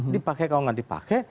dipakai kalau tidak dipakai